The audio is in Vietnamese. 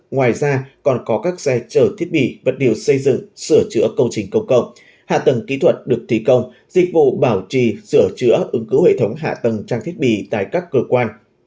ngoài ra còn có các xe chở thiết bị vật liệu xây dựng sửa chữa công trình công cộng hạ tầng kỹ thuật được thi công dịch vụ bảo trì sửa chữa ứng cứu hệ thống hạ tầng trang thiết bị tại các cơ quan